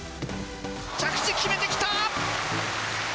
着地決めてきた！